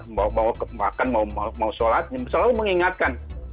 mau makan mau sholat selalu mengingatkan